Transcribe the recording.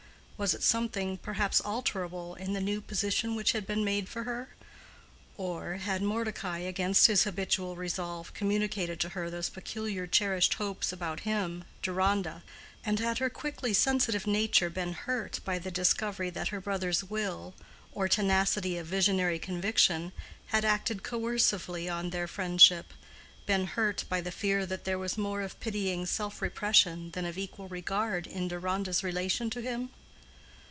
Was it something, perhaps alterable, in the new position which had been made for her? Or—had Mordecai, against his habitual resolve, communicated to her those peculiar cherished hopes about him, Deronda, and had her quickly sensitive nature been hurt by the discovery that her brother's will or tenacity of visionary conviction had acted coercively on their friendship—been hurt by the fear that there was more of pitying self suppression than of equal regard in Deronda's relation to him?